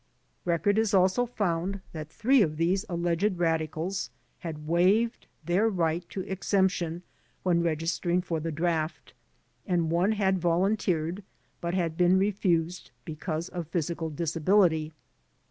Record is also found that three of these alleged radi cals had waived their right to exemption when registering for the draft and one had volunteered but had been re fused because of physical disability.